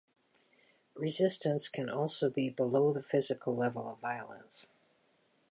Resistance can also be below the physical level of violence.